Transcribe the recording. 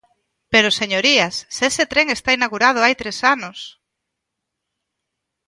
Pero, señorías, ¡se ese tren está inaugurado hai tres anos!